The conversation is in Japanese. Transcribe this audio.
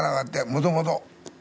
もともと。